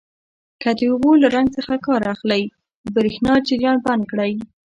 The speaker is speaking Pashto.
که د اوبو له رنګ څخه کار اخلئ د بریښنا جریان بند کړئ.